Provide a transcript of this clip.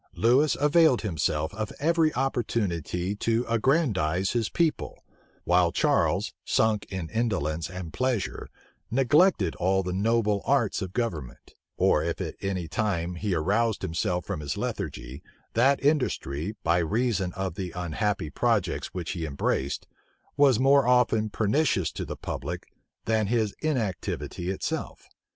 Lewis availed him self of every opportunity to aggrandize his people, while Charles, sunk in indolence and pleasure, neglected all the noble arts of government; or if at any time he roused himself from his lethargy, that industry, by reason of the unhappy projects which he embraced, was often more pernicious to the public than his inactivity itself.